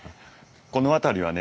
この辺りはね